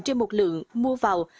trên một lượng mua vào